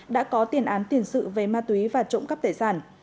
đã có tiền án tiền sự về ma túy và trộm cắp tài sản